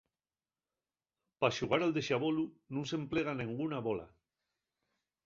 Pa xugar al dexabolu nun s'emplega nenguna bola.